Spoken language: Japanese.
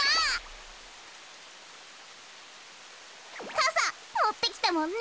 かさもってきたもんね。